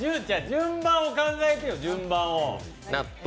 順番を考えてよ、順番を。